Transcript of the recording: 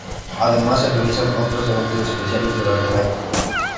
Además se realizan otros eventos especiales durante el año.